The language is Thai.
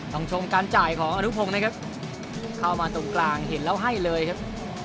ชมการจ่ายของอนุพงศ์นะครับเข้ามาตรงกลางเห็นแล้วให้เลยครับ